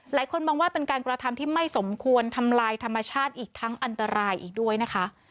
หลายคนมองว่าเป็นการกระทำที่ไม่สมควรทำลายธรรมชาติอีกทั้งอันตรายอีกด้วยนะคะ